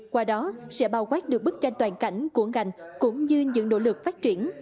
qua đó sẽ bao quát được bức tranh toàn cảnh của ngành cũng như những nỗ lực phát triển